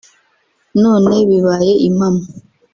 none bibaye impamo